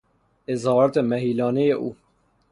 اظهارات محیلانهی او